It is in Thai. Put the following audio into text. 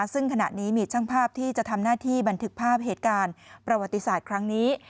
ซึ่งขณะนี้มีช่างภาพที่จะทำหน้าที่บันทึกภาพเหตุการณ์ประวัติศาสตร์ครั้งนี้